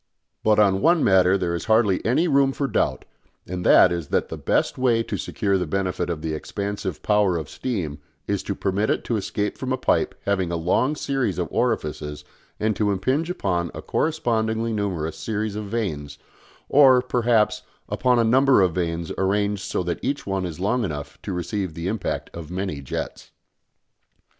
But on one matter there is hardly any room for doubt, and that is that the best way to secure the benefit of the expansive power of steam is to permit it to escape from a pipe having a long series of orifices and to impinge upon a correspondingly numerous series of vanes, or, perhaps, upon a number of vanes arranged so that each one is long enough to receive the impact of many jets.